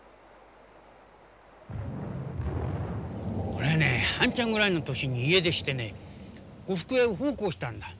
俺はねあんちゃんぐらいの年に家出してね呉服屋に奉公したんだ。